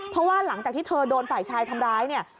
เพราะว่าหลังจากที่เธอโดนฝ่ายชายทำร้ายเนี่ย